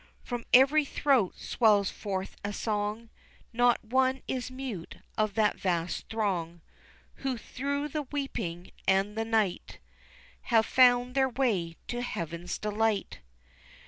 "From every throat swells forth a song, Not one is mute of that vast throng, Who, through the weeping and the night, Have found their way to Heaven's delight.